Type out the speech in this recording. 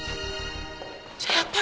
じゃあやっぱり